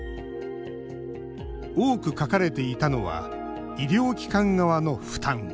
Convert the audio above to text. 多く書かれていたのは医療機関側の負担。